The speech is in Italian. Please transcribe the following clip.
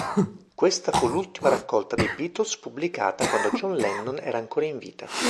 Questa fu l'ultima raccolta dei Beatles pubblicata quando John Lennon era ancora in vita.